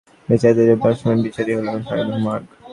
সুতরাং বিচারবাদীর জন্য দার্শনিক বিচারই হইল সাধন-মার্গ।